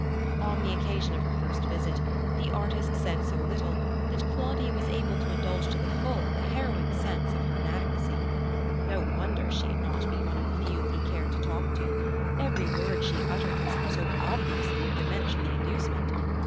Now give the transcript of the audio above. On the occasion of her first visit the artist said so little that Claudia was able to indulge to the full the harrowing sense of her inadequacy. No wonder she had not been one of the few that he cared to talk to; every word she uttered must so obviously have diminished the inducement!